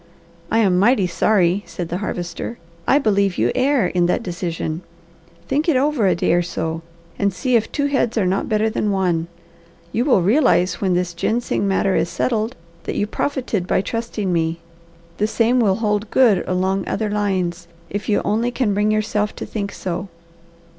"I am mighty sorry," said the Harvester. "I believe you err in that decision. Think it over a day or so, and see if two heads are not better than one. You will realize when this ginseng matter is settled that you profited by trusting me. The same will hold good along other lines, if you only can bring yourself to think so.